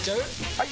・はい！